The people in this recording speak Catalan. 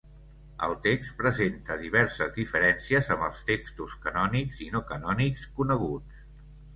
El text presenta diverses diferències amb els textos canònics i no canònics coneguts.